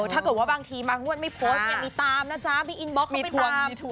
ถ้าเกิดว่าบางทีบางงวดไม่โพสต์เนี่ยมีตามนะจ๊ะบิ๊กอินบล็อกเขาไปตามถูก